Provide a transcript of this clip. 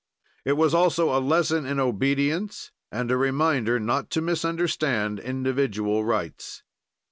It was also a lesson in obedience and a reminder not to misunderstand individual rights.